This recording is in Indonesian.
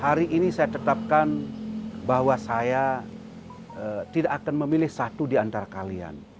hari ini saya tetapkan bahwa saya tidak akan memilih satu di antara kalian